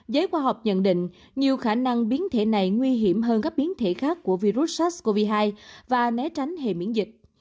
giới khoa học nhận định nhiều khả năng biến thể này nguy hiểm hơn các biến thể khác của virus sars cov hai và né tránh hệ miễn dịch